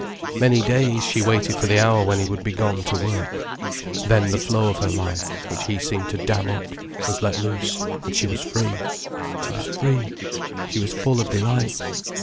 Many days, she waited for the hour when he would be gone to work. Then the flow of her life, which he seemed to damn up, was let loose, and she was free. She was free, she was full of delight.